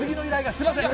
すいません。